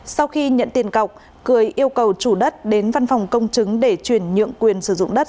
sau khi nhận tiền cọc cười yêu cầu chủ đất đến văn phòng công chứng để chuyển nhượng quyền sử dụng đất